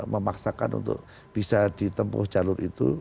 memaksakan untuk bisa ditempuh jalur itu